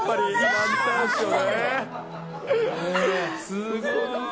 すごい。